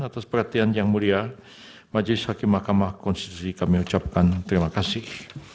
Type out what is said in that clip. atas perhatian yang mulia majelis hakim mahkamah konstitusi kami ucapkan terima kasih